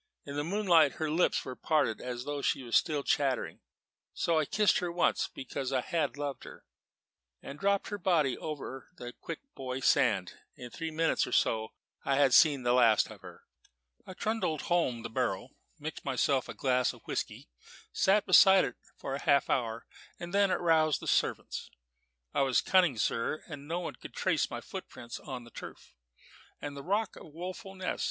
In the moonlight her lips were parted as though she were still chattering; so I kissed her once, because I had loved her, and dropped her body over into the Quick Boy Sand. In three minutes or so I had seen the last of her. "I trundled home the barrow, mixed myself a glass of whisky, sat beside it for half an hour, and then aroused the servants. I was cunning, sir; and no one could trace my footprints on the turf and rock of Woeful Ness.